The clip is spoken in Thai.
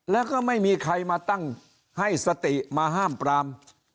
แล้วก็ไม่มีใครมาตั้งให้สติมาห้ามปราม